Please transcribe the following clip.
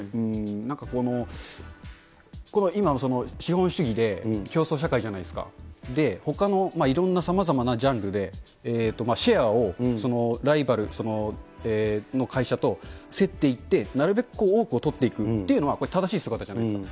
なんかこの、今の資本主義で、競争社会じゃないですか、で、ほかのいろんなさまざまなジャンルで、シェアをライバルの会社と競っていって、なるべく多くを取っていくというのが、正しい姿じゃないですか。